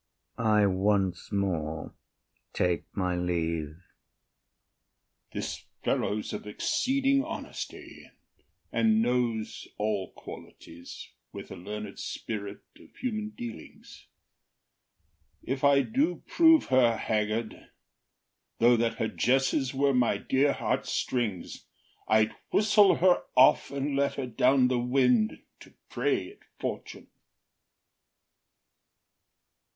IAGO. I once more take my leave. [Exit.] OTHELLO. This fellow’s of exceeding honesty, And knows all qualities, with a learned spirit, Of human dealings. If I do prove her haggard, Though that her jesses were my dear heartstrings, I’d whistle her off, and let her down the wind To prey at fortune.